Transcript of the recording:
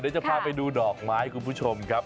เดี๋ยวจะพาไปดูดอกไม้คุณผู้ชมครับ